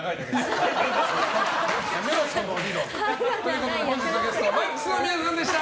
ということで本日のゲストＭＡＸの皆さんでした。